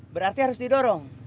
berarti harus didorong